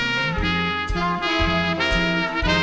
ในวันนี้ให้เธอ